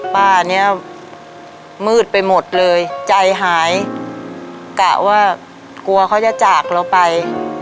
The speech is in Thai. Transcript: ป้าเนี้ยมืดไปหมดเลยใจหายกะว่ากลัวเขาจะจากเราไป